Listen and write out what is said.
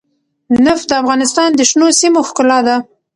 نفت د افغانستان د شنو سیمو ښکلا ده.